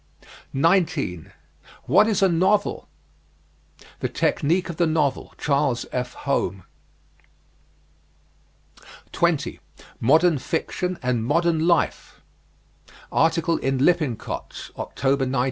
19. WHAT IS A NOVEL? "The Technique of the Novel," Charles F. Home. 20. MODERN FICTION AND MODERN LIFE. Article in Lippincott's, October, 1907.